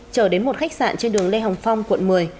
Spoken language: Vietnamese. chở đến một khách sạn trên đường lê hồng phong quận một mươi